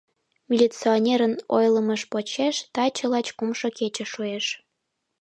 Милиционерын ойлымыж почеш, таче лач кумшо кече шуэш.